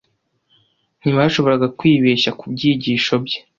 Ntibashoboraga kwibeshya ku byigisho bye,